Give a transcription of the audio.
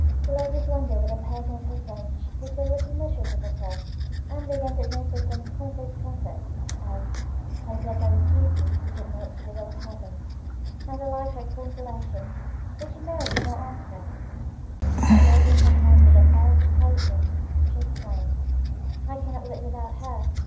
The ladies wondered that a person of her sense should be so little mistress of herself; and began to administer some common place comfort, as, that it was our duty to submit to the will of Heaven, and the like trite consolations, which Mary did not answer; but waving her hand, with an air of impatience, she exclaimed, "I cannot live without her!